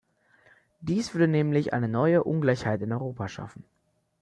Dies würde nämlich eine neue Ungleichheit in Europa schaffen.